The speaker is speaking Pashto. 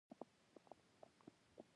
زه د یخې هوا تازه والی خوښوم.